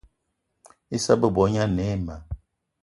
Issa bebo gne ane ayi ma